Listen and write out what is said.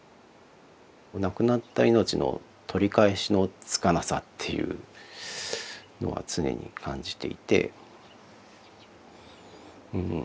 亡くなった命の取り返しのつかなさっていうのは常に感じていて。